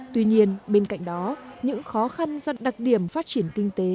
tuy nhiên bên cạnh đó những khó khăn do đặc điểm phát triển kinh tế